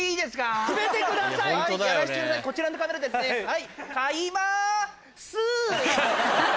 はいこちらのカメラですね。